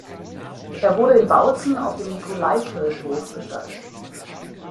Er wurde in Bautzen auf dem Nikolaikirchhof bestattet.